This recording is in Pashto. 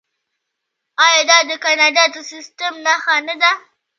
آیا دا د کاناډا د سیستم نښه نه ده؟